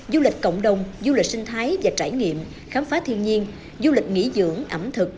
du lịch cộng đồng du lịch sinh thái và trải nghiệm khám phá thiên nhiên du lịch nghỉ dưỡng ẩm thực